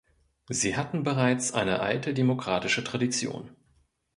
Sie hatten bereits eine alte demokratische Tradition.